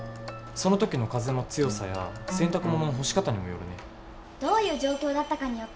その時の風の強さや洗濯物の干し方にもよるね。